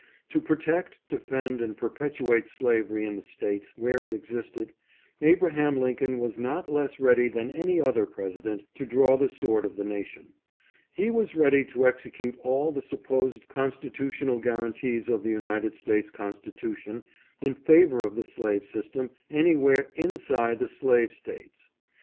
To protect, defend, and perpetuate slavery in the States where it existed Abraham Lincoln was not less ready than any other President to draw the sword of the nation. He was ready to execute all the supposed constitutional guarantees of the United States Constitution in favor of the slave system anywhere inside the slave States.